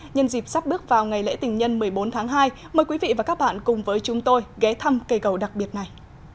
nhân dịp sắp bước vào ngày lễ tình nhân một mươi bốn tháng hai mời quý vị và các bạn cùng với chúng tôi ghé thăm cây cầu đặc biệt này